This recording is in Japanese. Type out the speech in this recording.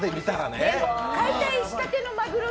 解体したてのマグロ